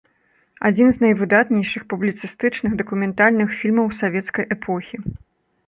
Адзін з найвыдатнейшых публіцыстычных дакументальных фільмаў савецкай эпохі.